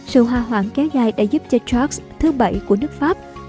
sự hoa hoảng kéo dài đã giúp cho charles thứ bảy của nước pháp